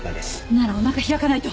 ならお腹開かないと。